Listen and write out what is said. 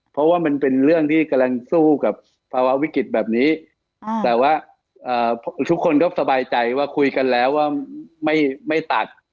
เพราะว่ามันเป็นเรื่องที่กำลังสู้กับภาวะวิกฤตแบบนี้แต่ว่าทุกคนก็สบายใจว่าคุยกันแล้วว่าไม่ตัด